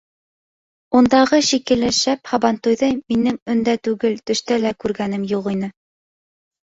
Ундағы шикелле шәп һабантуйҙы минең өндә түгел, төштә лә күргәнем юҡ ине.